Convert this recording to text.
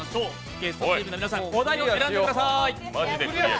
ゲストチームの皆さん、お題を選んでください。